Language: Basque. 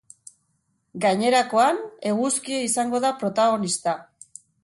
Gainerakoan, eguzkia izango da protagonista.